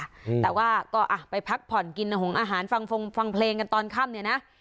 อืมแต่ว่าก็อ่ะไปพักผ่อนกินหงอาหารฟังฟงฟังเพลงกันตอนค่ำเนี่ยนะ